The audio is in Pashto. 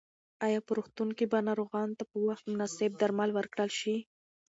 ایا په روغتون کې به ناروغانو ته په وخت مناسب درمل ورکړل شي؟